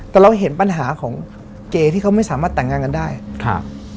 แต่เราเห็นปัญหาของเกย์ที่เขาไม่สามารถแต่งงานกันได้ครับ